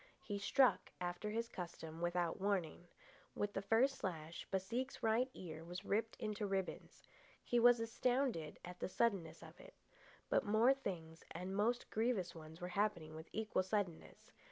He struck, after his custom, without warning. With the first slash, Baseek's right ear was ripped into ribbons. He was astounded at the suddenness of it. But more things, and most grievous ones, were happening with equal suddenness.